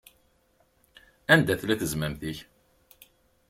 Anda tella tezmamt-ik?